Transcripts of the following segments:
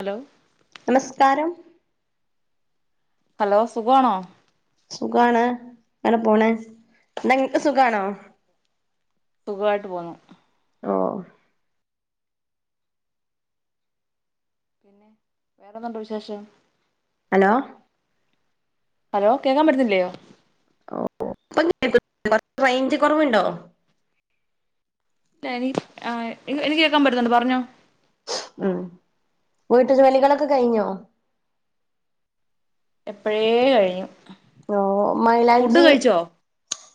Hello നമസ്കാരം hello സുഖാണോ സുഖാണ് അങ്ങന പോണ് എന്താ നിങ്ങൾക് സുഖാണോ സുഖമായിട്ട് പോന്നു ആഹ പിന്നെ [unintelligible] വിശേഷം ഹലോ ഹലോ കേക്കാൻ പറ്റുന്നില്ലയോ ഓ [unintelligible] റേഞ്ച് കുറവുണ്ടോ ഇല്ല എനി ആ എനിക്ക് കേക്കാൻ പറ്റുന്നുണ്ട് പറഞ്ഞോ? ഉം വീട്ടു ജോലികളൊക്കെ കഴിഞ്ഞോ? എപ്പഴേ കഴിഞ്ഞു. ഓ ഫുഡ് മൈലാഞ്ചി കഴിച്ചോ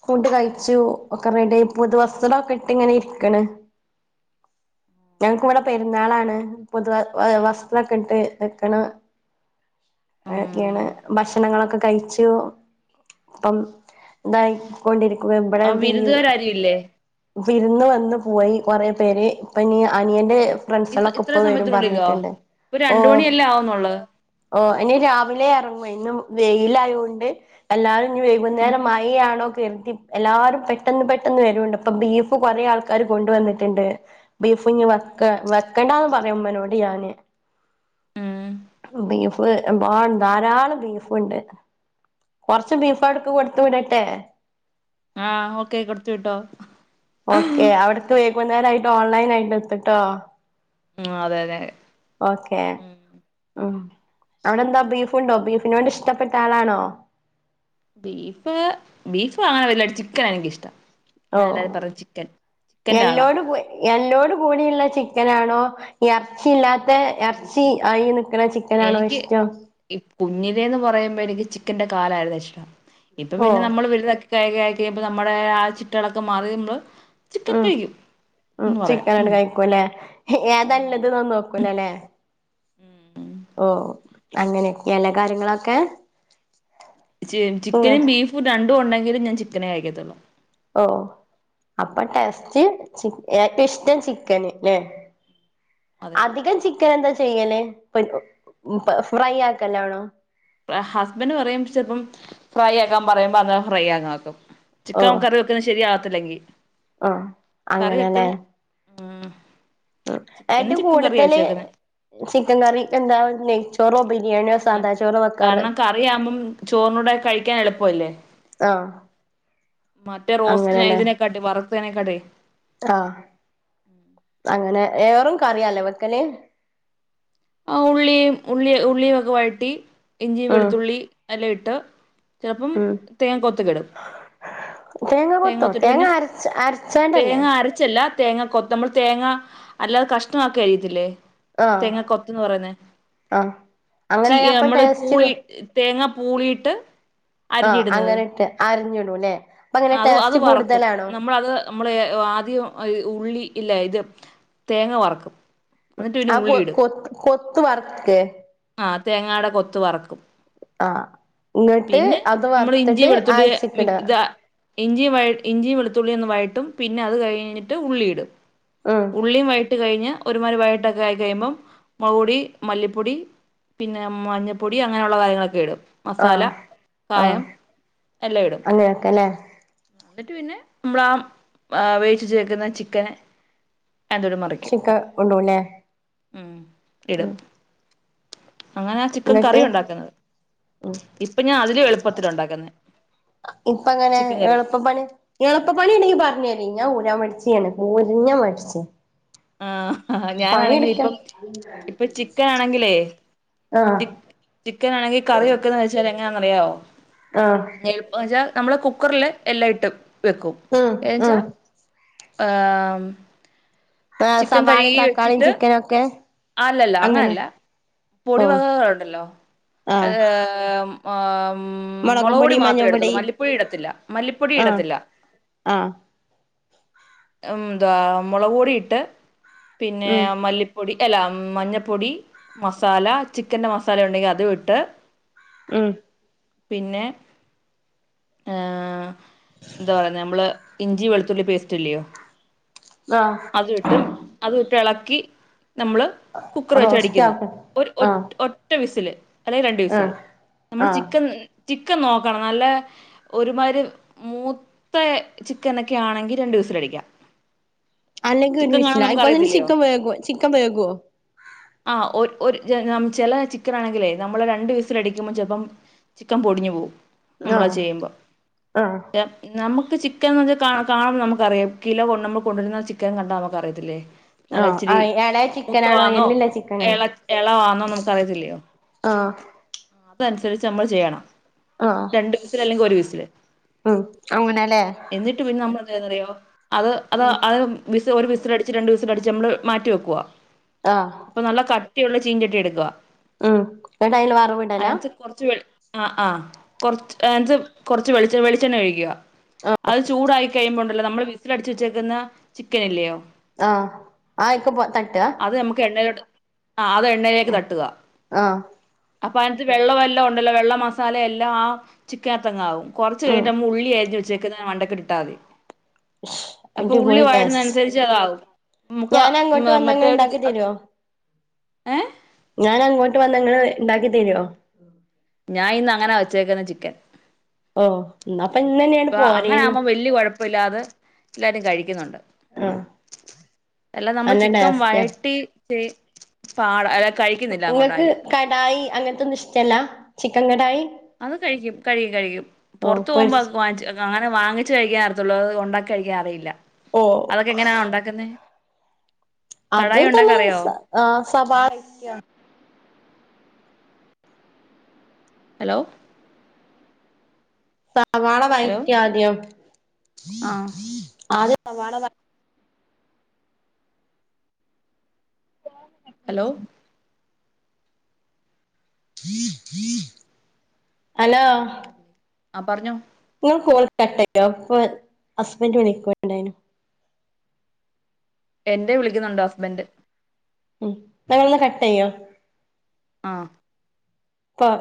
ഫുണ്ട് കഴിച്ചു ഒക്കെറെഡി പുതുവസ്ത്രോ ക്കെ ഇട്ട് ഇങ്ങനെ ഇരിക്കണ് ഞങ്ങക്ക് ഇവിടെ പെരുന്നാളാണ് പുതുവ വസ്ത്രക്കെ ഇട്ട് നിക്കണ് [unintelligible] ഉം ഭക്ഷണങ്ങളൊക്കെ കഴിച് ച്ചോ പ്പം ഇതായിക്കൊണ്ടിരിക്കുക ഇവിടെ അപ്പൊ വിരുന്നുകാരാരും ഇല്ലേ വിരുന്ന് വന്ന് പോയി കൊറെ പേര് ഇപ്പൊ നീ അനിയന്റെ ഈ ഫ്രണ്ട്സ്കൾക്കെ ഇത്ര ഇപ്പ വരും സമയത്തിനുള്ളിലോ പറഞ്ഞിട്ടുണ്ട് ഇപ്പൊ ഓ രണ്ട് മണിയല്ലേ ആവുന്നുള്ളൂ ഓ ഇനി രാവിലെ ഇറങ്ങും ഇന്ന് വെയിലായോ ണ്ട് എല്ലാ [unintelligible] ഉം വൈകുന്നേരം മയാണോ [unintelligible] എല്ലാരും പെട്ടെന്ന് പെട്ടെന്ന് വരോ ണ്ട് ഇപ്പൊ ബീഫ് കൊറെ ആൾക്കാര് കൊണ്ട് വന്നിട്ണ്ട് ബീഫ്ഞ്ഞി വക്ക വക്കണ്ടന്ന് പ ഉമ്മനോട് ഞാന് ഉം ബീഫ് [unintelligible] ധാരാളം ബീഫ്ണ്ട് കൊറച്ച് ബീഫു അവിടുക്ക് കൊടുത്തു വിടട്ടെ ആഹ് ഓക്കെ കൊടുത്തു വിട്ടോ ഓക്കെ അവിടക്ക് വൈകുന്നേരംമായിട്ട് ഓൺലൈൻ ആയിട്ട് എത്തിട്ടോ ഉം അതെ അതെ ഓക്കെ ഉം ഉം. അവിടെ എന്താ ബീഫുണ്ടോ ബീഫിനോട് ഇഷ്ടപ്പെട്ട ആളാണോ? ബീഫ് ബീഫ് [unintelligible] ചിക്കൻ ആണ് എനിക്കിഷ്ടം. ഓ ഞാൻ എല്ലാരും പറയും ചിക്കൻ ചിക്കന്റെ ആളാ എല്ലോട് എല്ലോട് കൂടിയുള്ള ചിക്കൻ ആണോ ഇറച്ചിയില്ലാത്ത ഇറച്ചി [unintelligible] എനിക്ക് ഇഷ്ടം ഈ കുഞ്ഞിലേന്ന് പറയുമ്പോ എനിക്ക് ചിക്കന്റെ കാലായിരുന്നു ഇഷ്ട്ടം. ഇപ്പോ ഓ പിന്നെ നമ്മള് വലുതാ ക്കെയായി കഴിയുമ്പോ നമ്മടെ ആ ചിട്ടകളൊക്കെ മാറി നമ്മള് ചിക്കൻ ഉം കഴിക്കും ഉം എന്ന് പറയാം ചിക്കനാണ്ട് ഉം കഴിക്കൂല്ലേ? ഏതാ ഉം ഇള്ളതിന്നൊന്നും നോക്കൂലല്ലേ? ഉം ഓഹ് അങ്ങനെക്കെയാ അല്ലേ കാര്യങ്ങളക്കെ. ചിക്കനും ബീഫും രണ്ടും ഉണ്ടെ ങ്കിലും ഞാൻ ചിക്കനേ കയിക്കത്തുള്ളൂ. ഓ അപ്പോ ടേസ്റ്റ് ചി ഏറ്റം ഇഷ്ടം ചിക്കന് ല്ലേ? അതെ അധികം ചിക്കൻ എന്താ ചെയ്യല് പോയ് ഫ്രൈ ആക്കലാണോ ഹസ്ബന്റ് പറയും ചേൽപ്പം ഫ്രൈ ആക്കാൻ പറയുമ്പോ അതാ ഫ്രൈ അങ്ങാക്കും ചിക്കൻ ഓ കറി വെക്ക്ണെ ശരിയാ ല്ലെങ്കി ആഹ് അങ്ങനല്ലേ ആഹ് ഏറ്റവും കൂട്തല് ചിക്കൻ കറി [unintelligible] ടോറോബിൻ ബിരിയാണിയോ സാദാച്ചോറോ വെക്കാറ് കാരണം കറിയാകുമ്പം ചോറിനൂടെ കഴിക്കാൻ എളപ്പൊല്ലേ ആഹ് മറ്റേ റോസ്റ്റ് ഇതിനെക്കട്ടി വറ് മറ്റേനെക്കാട്ടി ആ അങ്ങനെ ഏറു കറിയാലെ വെക്കല് ആ ഉള്ളിയും ഉള്ളി ഉള്ളിയൊക്കെ വയട്ടി ഇഞ്ചി, ഉം വെളുത്തുള്ളി, അയല്ട്ട് ചെലപ്പം ഉം തേങ്ങാ കൊത്തക്കിടും തേങ്ങ തേങ്ങാ കൊത്തോ കൊത്തിട്ട് തേങ്ങ പിന്നെ അരച്ച അരച്ചാണ്ടല്ലേ തേങ്ങ അരച്ചല്ല തേങ്ങ കൊത്തമ്പള് തേങ്ങ അല്ലാതെ കഷ്ണാക്കി അരിയത്തില്ലേ ആഹ് തെങ്ങ കൊ ആഹ് ച്ചീ അങ്ങനായ അപ്പം നമ്മള് ടേസ്റ്റ് പൂളി തേങ്ങ പൂളിട്ട് ആഹ് അരിഞ്ഞിടുന്നത് അങ്ങനെ ഇട്ട് അരിഞ്ഞിടൂല്ലേ അപ്പൊ അങ്ങനെ അത് അത് ടേസ്റ്റ് വറക്കും കൂടുതലാണോ നമ്മളത് നമ്മ ആദ്യ ഉളളി ഇല്ല ഇത് തേങ്ങ വറക്കും എന്നിട്ട് പിന്നെ ആ കൊ ഉള്ളി ഇടും കൊത്തു കൊത്ത് വർക്കെ ആ തേങ്ങാടെ കൊത്ത് വറക്കും ആ ഇങ്ങട്ട് പിന്നെ അത് നമ്മള് വറത്തിട്ട് അയച്ചിക്ക്ടാ ഇഞ്ചിയും ഇഞ്ചിയും വെളുത്തുള്ളി ഒന്ന് വഴട്ടും പിന്നെ അത് കഴിഞ്ഞിട്ട് ഉള്ളിയിടും ഉം ഉള്ളീം വൈട്ട് കഴിഞ്ഞ് ഒരുമാതിരി വൈകട്ടാക്കെ ആയി കഴിമ്പം മുളക്പൊടി മല്ലിപ്പൊടി പിന്നെ മഞ്ഞപ്പൊടി അങ്ങനെയുള്ള കാര്യങ്ങളൊക്കെ ഇടും മസാല ആഹ് കായം ആഹ് എല്ലാം ഇടും അങ്ങനൊക്കെല്ലേ എന്നിട്ട് പിന്നെ നമ്മളാ വേവിച്ച് വെച്ചേക്കുന്ന ചിക്കന് അതൊ മറിക്കും ചിക്ക കൊണ്ടോവുല്ലേ ഉം ഇടും അങ്ങനെ ചിക്കൻ കറി എന്നിട്ട് ഉണ്ടാക്കുന്നത് ഇപ്പൊ ഞാൻ അതിലും എളുപ്പത്തി ഉണ്ടാക്കുന്നെ ചിക്കൻ കറി എളുപ്പ പണിണ്ടെങ്കി പറാഞ്ഞേരി ഞ ഊരാ മടിച്ചിയാണ് ഊരിഞ്ഞ മടിച്ചി ആഹ് ആ ഞാാനാണെങ്കിൽ ഇപ്പം ഇപ്പൊ ചിക്കൻ ആണെങ്കിലേ ആഹ് ചി ചിക്കൻ ആണെങ്കിൽ കറി വെക്കന്ന് വെച്ചാൽ എങ്ങന അറിയാവോ ആഹ് [unintelligible] നമ്മൾ കുക്കറില് എല്ല ഇട്ടും വെക്കും ഉം ഏച്ചാ ഉം ഏമ് ആ സവാളേം തക്കാളിയും ചിക്കൻ ഒക്കെ അല്ലല്ല അങ്ങന അങ്ങനെ അല്ല പൊടി ഓഹ് വകകളുണ്ടല്ലോ ആഹ് അത് ആഹ് ഉം മുളകും പൊടി മുളകൊടി മഞ്ഞൾ മാത്രമേ പൊടി ഇടുത്തുള്ളൂ മല്ലിപ്പൊടി ഇടത്തില്ല മല്ലിപ്പൊടി ആഹ് ഇടത്തില്ല ആഹ് ഉം ഏഹ് മുളവൊടി ഇട്ട് പിന്നെ ഉം മല്ലിപ്പൊടി അല്ല മഞ്ഞപ്പൊടി മസാല ചിക്കന്റെ മസാല ഉണ്ടെങ്കിൽ അതും ഇട്ട് ഉം പിന്നെ ഏഹ് എന്താ പറയുന്ന നമ്മൾ ഇഞ്ചി വെളുത്തുള്ളി പേസ്റ്റ് ഇല്ലയോ ആഹ് അതുവിട്ടും അതുവിട്ട് ഇള കി നമ്മൾ കുക്കർ വെച്ച് റോസ്റ്റ് അടിക്കുന്നു ആക്കും ഒരു ഒ ആഹ് ഒറ്റ വിസിൽ അല്ലെ രണ്ടു വിസിൽ ആഹ് നമ്മൾ ആഹ് ചിക്കൻ ചിക്കൻ നോക്കണം നല്ല ഒരുമാതിരി മൂത്ത ചിക്കനൊക്കെ ആണെങ്കി രണ്ടു വിസൽ അടിക്കാം അല്ലെങ്കിൽ ഒരു [unintelligible] ചിക്കൻ വെകു ചിക്കൻ വെ ആഹ് ഒരു ഒരു ചില ചിക്കനാണെങ്കിലേ നമ്മൾ രണ്ടു വിസൽ അടിക്കുമ്പോൾ ചിലപ്പം ചിക്കൻ പൊടിഞ്ഞു പോവും നമ്മൾ അത് ആഹ് ചെയ്യുമ്പോ ആഹ് ചി നമ്മ നമുക്ക് ചിക്കൻ എന്ന്ച്ച ക കാണുമ്പോ നമുക്കറിയാം കിലോ കൊ നമ്മൾ കൊണ്ടിരുന്ന ചിക്കൻ കണ്ടാൽ നമുക്ക് അറിയത്തില്ലേ നല്ല ആഹ് ഇച്ചിരി ആഹ് എളേ മൂത്ത ചിക്കനാണോ വന്നോ എല്ലില്ല ചിക്കനോ യെള എള വന്നോ നമുക്ക് അറിയത്തില്ലയോ ആഹ് അതന് സരിച്ച് നമ്മൾ ചെയ്യണം ആഹ് രണ്ടു വയസില് അല്ലെങ്കിൽ ഒരു വയസില് ഉം അങ്ങനെല്ലേ എന്നിട്ട് പിന്നെ നമ്മൾ എ ന്തയോ [unintelligible] അത് അത് ഉം അത് ഒരു വിസിലടിച്ച് രണ്ട് വിസിലടിച്ച് നമ്മൾ മാറ്റി വെക്കുവ ആഹ് അപ്പൊ നല്ല ക ട്ടിയുള്ള ചീഞ്ചട്ടി എടുക്കുക ഉം ന്നട്ടയില് വറവി അയൻച്ച കുറച് വേ അഹ് ആഹ് കൊറ്ച്ച് ഏത് കൊറച്ച് വെളിച്ച വെളിച്ചെണ്ണ ഒഴിക്കുക അത് ചൂടായി കഴിയുമ്പോണ് നമ്മൾ വിസില് അടച്ച് വെച്ചേക്കുന്ന ചിക്കൻ ഇല്ലയോ ആഹ് ആ ഇക്ക് പോ തട്ടാ അത് നമുക്ക് എണ്ണയിലോട്ട് ആഹ് അത് എണ്ണയിലേക്ക് തട്ട്ക ആഹ് ഫാനത്ത് വെള്ളവല്ലൊ ഉണ്ടല്ലോ വെള്ള മസാല എല്ലാം ആഹ് ചിക്ക [unintelligible] താങ്ങാ ഉം കൊറച്ച് ഉം കഴിഞ്ഞ്ട്ട് അമ്മ ഉള്ളി അരിഞ്ഞു വച്ചേ ക്ക് ന്ന മണ്ടക്ക് ഇടത്താതി ശ് അടിപൊളി ടേസ് അതാവും നമുക്ക് ഞാന് അങ്ങെട്ട് മ- വന്ന മറ്റേ ഇങ്ങള് ഒരു ഇണ്ടാക്കി തരോ ഏഹ് ഞാൻ അങ്ങോട്ട് വന്ന ഇങ്ങള് ഇണ്ടാക്കി തെരോ ഞാൻ ഇന്ന് അങ്ങനാ വച്ചേക്ക്ണ ചിക്കൻ ഓഹ് ന്നാ ഇപ്പ ഇന്നന്നേണ്ട് ഇപ്പ അങ്ങനെ പോരേനു ആകുമ്പോ വല്ല്യ കൊഴപ്പ ഇല്ലാത് എല്ലാരും കഴിക്കുന്നുണ്ട് ആഹ് അല്ല നമ്മള് നല്ല ചിക്കൻ ടേസ്റ്റാ വഴട്ടി [unintelligible] പാട അല ഇങ്ങക്ക് കടായി അങ്ങൻത്തൊന്നും ഇഷ്ടല്ല ചിക്കൻ കടായി അത് കെഴിക്കും കഴിക്കും കഴിക്കും ഓ പൊറത്ത് പോകുമ്പോ പൊരിച്ച വാങ്ങിച് അങ്ങ വാങ്ങിച് കഴിക്കാറത്തൊള്ളൂ അത് ഉണ്ടാക്കി കഴിക്കാൻ അറിയി ല്ല ഓ അതൊക്കെ എങ്ങനാ ഉണ്ടാക്കുന്നേ അത് കടായി ഉണ്ടാക്കാൻ തന്നെ സ അറിയാവോ ആ സഭായി ഹലോ സവാള ഹലോ വയറ്റുക ആദ്യം ആഹ് ആ സവാള വ ഹലോ [inaudible] ഹലോ ആഹ് പറഞ്ഞോ നിങ്ങൾ കോൾ കട്ടായോ [unintelligible] അപ്പോ ഹസ്ബൻഡ്‌ വിളിക്കുന്നുണ്ടായിരുന്നു എന്റെ വിളിക്കുന്നുണ്ട് ഹസ്ബൻഡ് ഉം നിങ്ങളെന്നാ കട്ട് ചെയ്യോ ആഹ് ഇപ്പൊ